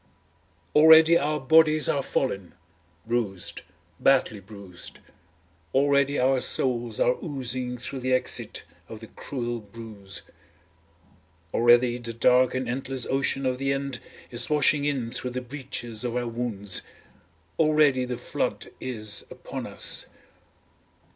Already our bodies are fallen, bruised, badly bruised, already our souls are oozing through the exit of the cruel bruise. Already the dark and endless ocean of the end is washing in through the breaches of our wounds, Already the flood is upon us.